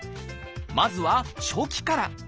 まずは初期から。